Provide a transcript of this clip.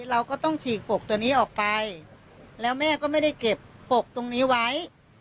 เราก็ต้องฉีกปกตัวนี้ออกไปแล้วแม่ก็ไม่ได้เก็บปกตรงนี้ไว้